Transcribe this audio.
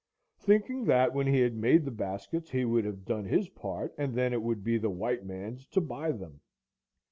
Thinking that when he had made the baskets he would have done his part, and then it would be the white man's to buy them.